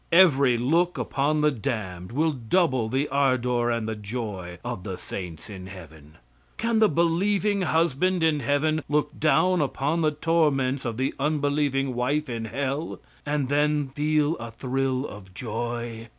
Every look upon the damned will double the ardor and the joy of the saints in heaven. Can the believing husband in heaven look down upon the torments of the unbelieving wife in hell and then feel a thrill of joy?